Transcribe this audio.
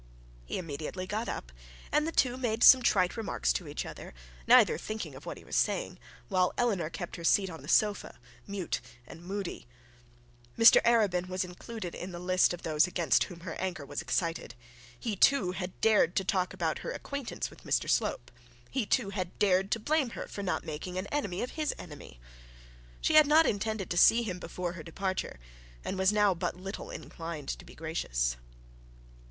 He immediately got up, and the two made some trifle remarks to each other, neither thinking of what he was saying, and Eleanor kept her seat on the sofa mute and moody. Mr Arabin was included in the list of those against whom her anger was excited. He, too, had dared to talk about her acquaintance with Mr Slope; he, too, had dared to blame her for not making an enemy of his enemy. She had not intended to see him before her departure, and was now but little inclined to be gracious.